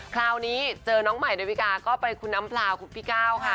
คราวนี้เจอน้องใหม่ดาวิกาก็ไปคุณน้ำพลาวพี่ก้าวค่ะ